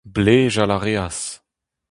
Blejal a reas.